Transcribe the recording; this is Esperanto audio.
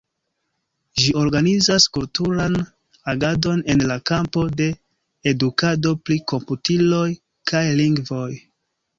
Ĝi organizas kulturan agadon en la kampo de edukado pri komputiloj kaj lingvoj.